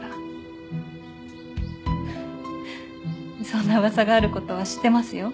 そんな噂がある事は知ってますよ。